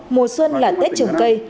mùa xuân là tết trồng cây